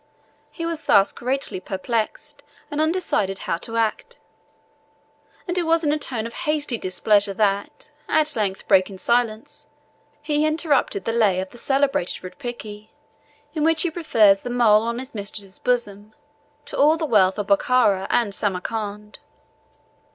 He was thus greatly perplexed, and undecided how to act; and it was in a tone of hasty displeasure that, at length breaking silence, he interrupted the lay of the celebrated Rudpiki, in which he prefers the mole on his mistress's bosom to all the wealth of Bokhara and Samarcand.